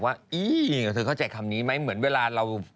มันกระจายไปทั่วห้องค่ะ